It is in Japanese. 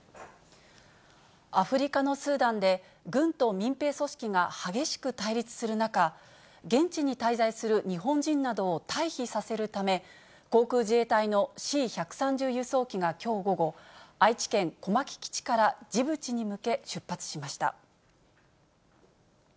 アフリカのスーダンで、軍と民兵組織が激しく対立する中、現地に滞在する日本人などを退避させるため、航空自衛隊のＣ１３０輸送機がきょう午後、愛知県小牧基地から、ジブチに向け出発しました。